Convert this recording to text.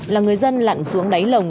là người dân lặn xuống đáy lồng